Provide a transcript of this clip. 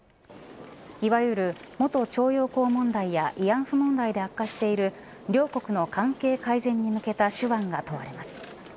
いわゆる元徴用工問題や慰安婦問題で悪化している両国の関係改善に向けた手腕が問われます。